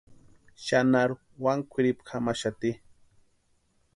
Xanharu wani kʼwiripu jamaxati.